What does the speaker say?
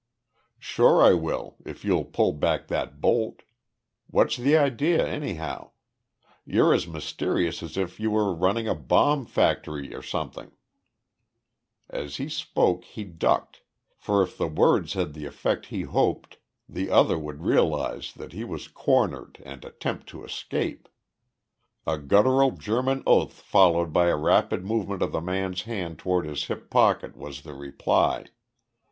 "Sure I will if you'll pull back that bolt. What's the idea, anyhow? You're as mysterious as if you were running a bomb factory or something " As he spoke he ducked, for if the words had the effect he hoped, the other would realize that he was cornered and attempt to escape. A guttural German oath, followed by a rapid movement of the man's hand toward his hip pocket was the reply.